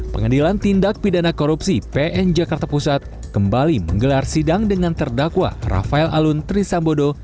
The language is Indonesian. pengadilan tindak pidana korupsi pn jakarta pusat kembali menggelar sidang dengan terdakwa rafael alun trisambodo